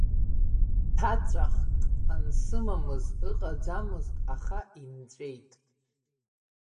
Ҭаҵәахк ансымамыз ыҟаӡамызт, аха инҵәеит.